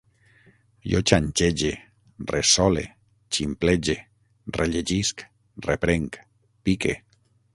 Jo xanxege, ressole, ximplege, rellegisc, reprenc, pique